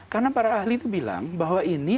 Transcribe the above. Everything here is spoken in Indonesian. karena para ahli itu bilang bahwa ini